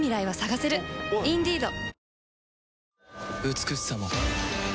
美しさも